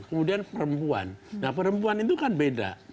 kemudian perempuan nah perempuan itu kan beda